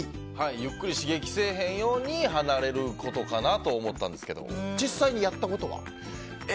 ゆっくり刺激せえへんように離れることかなと実際にやったことは？